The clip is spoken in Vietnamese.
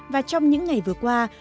và trong những ngày vừa qua